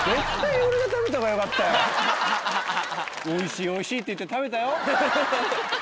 おいしいおいしいって言って食べたよ？